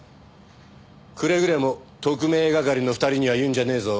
くれぐれも特命係の２人には言うんじゃねえぞ。